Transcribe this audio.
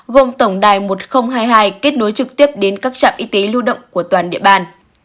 gồm tổng đài một nghìn hai mươi hai kết nối trực tiếp đến các trạm y tế lưu động của toàn địa bàn